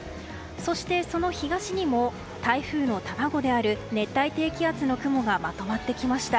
そして、その東にも台風の卵である熱帯低気圧の雲がまとまってきました。